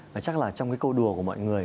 và chắc là trong cái câu đùa của mọi người